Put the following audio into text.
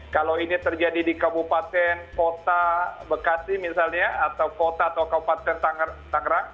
kalau ini terjadi di kabupaten kota bekasi misalnya atau kota atau kabupaten tangerang